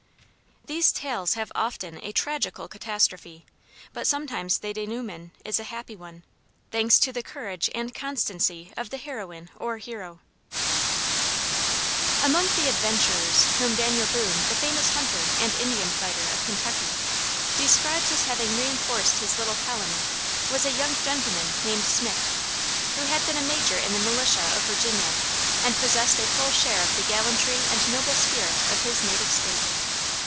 These tales have often a tragical catastrophe, but sometimes the denouement is a happy one, thanks to the courage and constancy of the heroine or hero. [Footnote: Potters Life of Daniel Boone] Among the adventurers whom Daniel Boone the famous hunter and Indian fighter of Kentucky, describes as having re inforced his little colony was a young gentleman named Smith, who had been a major in the militia of Virginia, and possessed a full share of the gallantry and noble spirit of his native State.